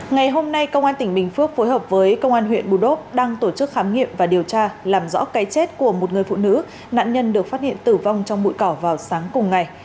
ngày hôm nay công an tỉnh bình phước phối hợp với công an huyện bù đốp đang tổ chức khám nghiệm và điều tra làm rõ cái chết của một người phụ nữ nạn nhân được phát hiện tử vong trong bụi cỏ vào sáng cùng ngày